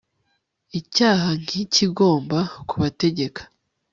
icyaha ntikigomba kubategeka